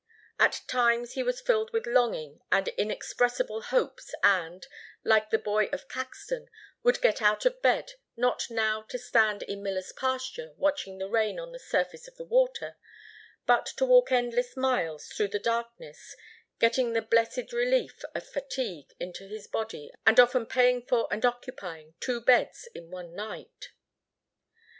At times he was filled with longing and inexpressible hopes and, like the boy of Caxton, would get out of bed, not now to stand in Miller's pasture watching the rain on the surface of the water, but to walk endless miles through the darkness getting the blessed relief of fatigue into his body and often paying for and occupying two beds in one night.